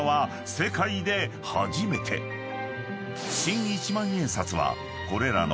［新一万円札はこれらの］